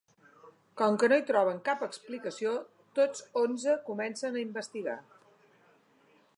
Com que no hi troben cap explicació, tots onze comencen a investigar.